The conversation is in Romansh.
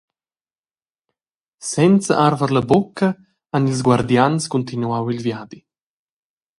Senza arver la bucca han ils guardians cuntinuau il viadi.